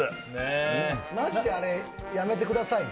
マジであれ、やめてくださいね。